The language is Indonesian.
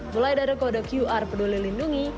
mulai dari kode qr peduli lindungi